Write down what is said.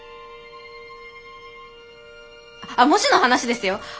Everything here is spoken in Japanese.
あっもしの話ですよ？